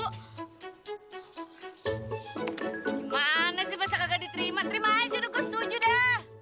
gimana sih masa kagak diterima terima aja ruko setuju dah